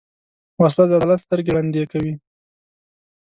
وسله د عدالت سترګې ړندې کوي